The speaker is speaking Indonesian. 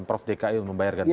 prof dki membayar ganti rugi